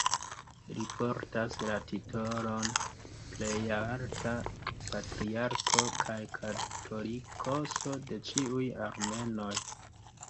Li portas la titolon "Plejalta Patriarko kaj Katolikoso de ĉiuj Armenoj".